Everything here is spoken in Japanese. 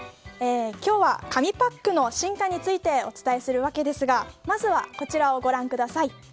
今日は紙パックの進化についてお伝えするわけですがまずはこちらをご覧ください。